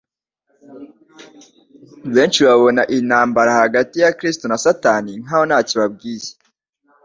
Benshi babona iyi ntambara hagati ya Kristo na Satani nkaho ntacyo ibabwiye;